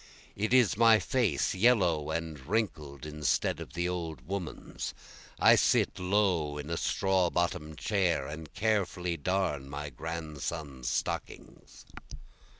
It is my face yellow and wrinkled instead of the old woman's, I sit low in a straw bottom chair and carefully darn my grandson's stockings.